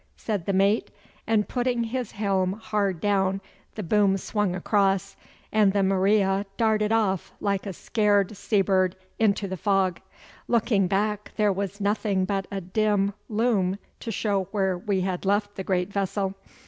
said the mate, and putting his helm hard down the boom swung across, and the Maria darted off like a scared seabird into the fog. Looking back there was nothing but a dim loom to show where we had left the great vessel.